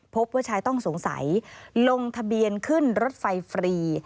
พบว่าชายต้องสงสัยลงทะเบียนขึ้นรถไฟฟรี